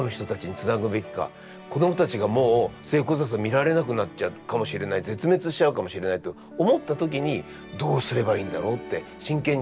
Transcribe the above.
子供たちがもうスエコザサ見られなくなっちゃうかもしれない絶滅しちゃうかもしれないと思った時にどうすればいいんだろうって真剣に考えるじゃないですか。